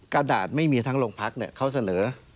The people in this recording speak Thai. กระดาษไม่มีทั้งโรงพักเขาเสนอ